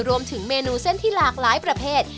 รวมถึงเมนูเส้นที่หลากหลายประเภท